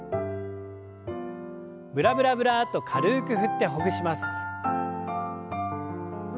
ブラブラブラッと軽く振ってほぐします。